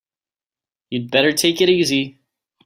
You'd better take it easy.